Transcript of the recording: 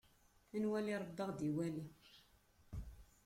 A nwali Ṛebbi, ad aɣ-d-iwali.